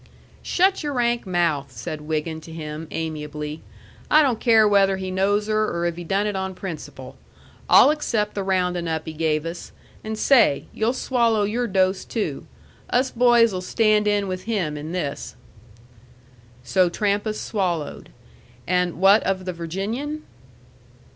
"Shut your rank mouth," said Wiggin to him, amiably. "I don't care whether he knows her or if he done it on principle. I'll accept the roundin' up he gave us and say! You'll swallo' your dose, too! Us boys'll stand in with him in this." So Trampas swallowed. And what of the Virginian?